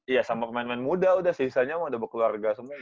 iya sama pemain pemain muda udah sisanya udah berkeluarga semua